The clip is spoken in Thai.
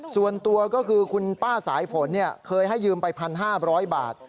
ส่วนตัวก็คือคุณป้าสายฝนเนี่ยเคยให้ยืมไปพันห้าบร้อยบาท